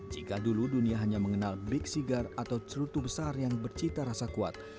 jika dulu dunia hanya mengenal big sigar atau cerutu besar yang bercita rasa kuat